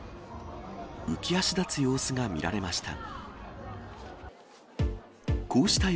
浮き足だつ様子が見られました。